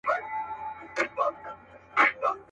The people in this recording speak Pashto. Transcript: يوه بوډا په ساندو، ساندو ژړل.